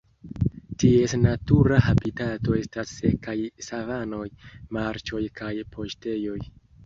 Ties natura habitato estas sekaj savanoj, marĉoj kaj paŝtejoj.